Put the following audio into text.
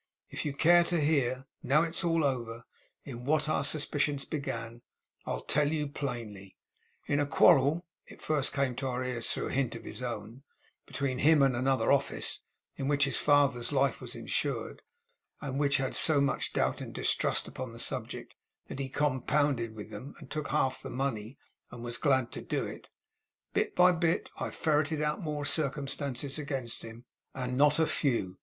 If you care to hear, now it's all over, in what our suspicions began, I'll tell you plainly: in a quarrel (it first came to our ears through a hint of his own) between him and another office in which his father's life was insured, and which had so much doubt and distrust upon the subject, that he compounded with them, and took half the money; and was glad to do it. Bit by bit, I ferreted out more circumstances against him, and not a few.